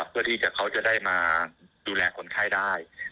เพื่อที่เขาจะได้มาดูแลคนไข้ได้